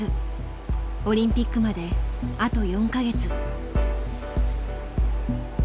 オリンピックまであと４か月。